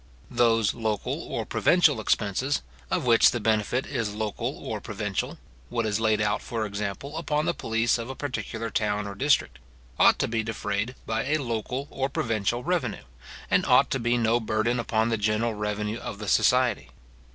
Those local or provincial expenses, of which the benefit is local or provincial (what is laid out, for example, upon the police of a particular town or district), ought to be defrayed by a local or provincial revenue, and ought to be no burden upon the general revenue of the society.